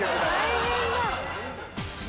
大変だ。